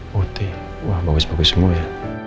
putih wah bagus bagus semua ya